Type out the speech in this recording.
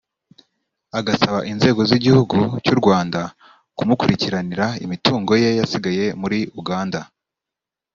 agasaba inzego z’igihugu cy’u Rwanda kumukurikiranira imitungo ye yasigaye muri Uganda